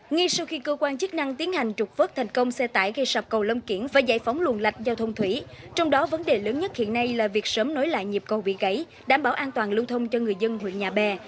ngay sau khi cơ quan chức năng tiến hành trục vớt thành công xe tải gây sập cầu long kiển và giải phóng luồn lạch giao thông thủy trong đó vấn đề lớn nhất hiện nay là việc sớm nối lại nhịp cầu bị gãy đảm bảo an toàn lưu thông cho người dân huyện nhà bè